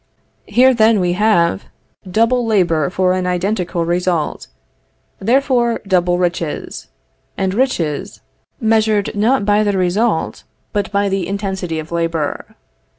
Here then we have double labor for an identical result; therefore double riches; and riches, measured not by the result, but by the intensity of labor.